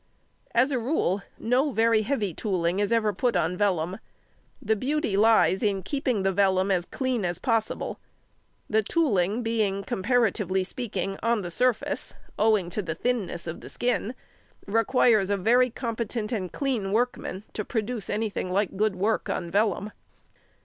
As a rule no very heavy tooling is ever put on vellum, the beauty lies in keeping the vellum as clean as possible. The tooling being, comparatively speaking, on the surface, owing to the thinness of the skin, requires a very competent and clean workman to produce anything like good work on vellum.